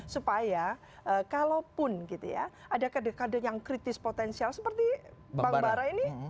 supaya kalaupun gitu ya ada kader kader yang kritis potensial seperti bang bara ini